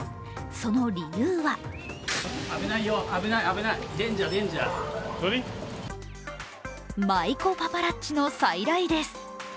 その理由は舞子パパラッチの再来です。